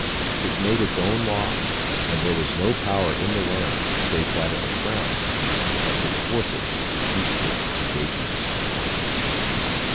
It made its own laws and there was no power in the land, save that of the crown, that could force it to keep its engagements.